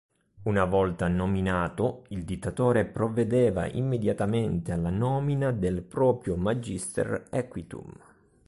Una volta nominato, il dittatore provvedeva immediatamente alla nomina del proprio "magister equitum".